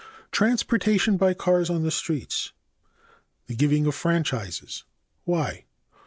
9. Transportation by cars on the streets. a. The giving of franchises, why?